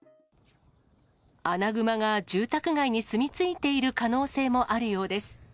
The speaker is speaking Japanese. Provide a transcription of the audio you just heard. アナグマが住宅街に住みついている可能性もあるようです。